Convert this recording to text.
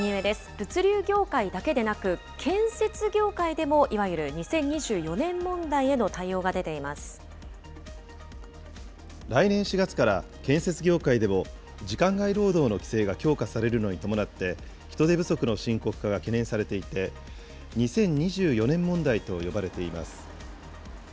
物流業界だけでなく、建設業界でも、いわゆる２０２４年問題への来年４月から、建設業界でも、時間外労働の規制が強化されるのに伴って、人手不足の深刻化が懸念されていて、２０２４年問題と呼ばれています。